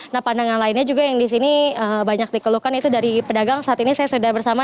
nah pandangan lainnya juga yang disini banyak dikeluhkan itu dari pedagang saat ini saya sudah bersama